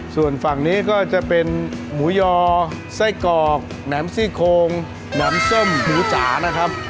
ส่วนฝั่งนี้ก็จะเป็นหมูยอไส้กรอกแหนมซี่โคงแหนมส้มหมูจ๋านะครับ